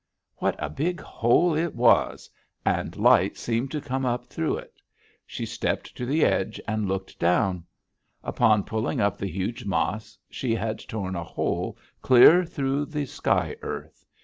"What a big hole it was! And light seemed to come up through it. She stepped to the edge and looked down: upon pulling up the huge mas she had torn a hole clear through the sky earth!